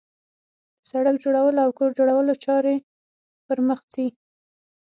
د سړک جوړولو او کور جوړولو چارې پرمخ ځي